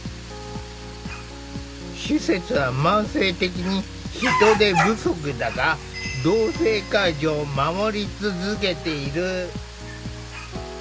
施設は慢性的に人手不足だが同性介助を守り続けている。